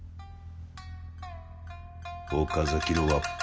岡崎のわっぱ。